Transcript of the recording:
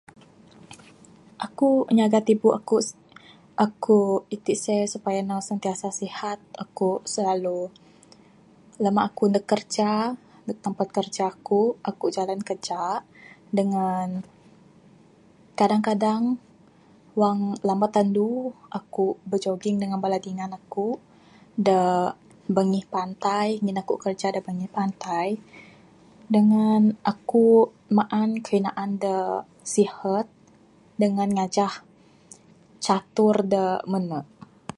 Aku nyaga tibuk aku...aku iti seh supaya ne sentiasa sihat aku silalu lama aku neg kerja neg tempat kerja ku aku jalan kakak dangan kadang kadang wang lambat andu aku bijoging dangan bala dingan aku da bangih pantai ngin aku kiraja da bangih pantai dangan aku maan kayuh naan da sihat dangan ngajah catur da mene.